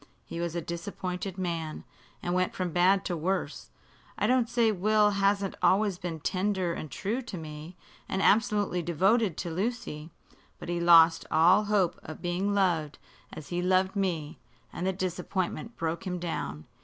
He was a disappointed man, and went from bad to worse. I don't say Will hasn't always been tender and true to me, and absolutely devoted to Lucy. But he lost all hope of being loved as he loved me, and the disappointment broke him down.